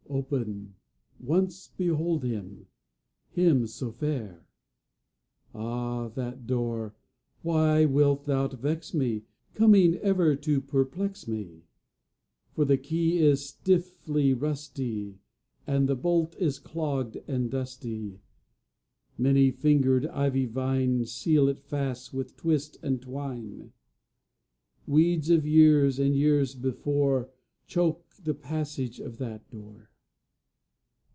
Open! Once behold Him, Him, so fair. Ah, that door! Why wilt Thou vex me, Coming ever to perplex me? For the key is stiffly rusty, And the bolt is clogged and dusty; Many fingered ivy vine Seals it fast with twist and twine; Weeds of years and years before Choke the passage of that door.